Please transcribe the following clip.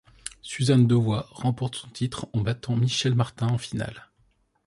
Susan Devoy remporte son titre en battant Michelle Martin en finale.